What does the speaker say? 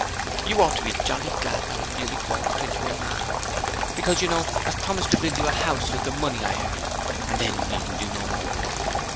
You ought to be jolly glad that I'm nearly grown up into a man, because you know I've promised to build you a house with the money I earn, and then you needn't do no more work.